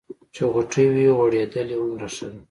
چې غوټۍ وي غوړېدلې هومره ښه ده.